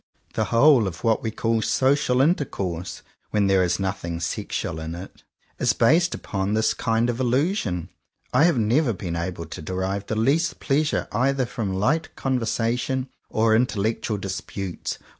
The whole of what we call social inter course — when there is nothing sexual in it — is based upon this kind of illusion. I have never been able to derive the least pleasure either from "light conversation" or "intellectual disputes."